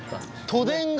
都電が？